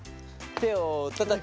手をたたく。